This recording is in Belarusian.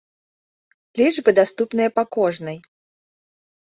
Лічбы даступныя па кожнай.